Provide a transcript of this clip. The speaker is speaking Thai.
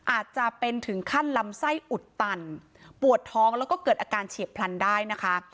อาจจะเป็นถึงขั้นลำไส้อุดตันปวดท้องแล้วก็เกิดอาการเฉียบพลันได้นะคะ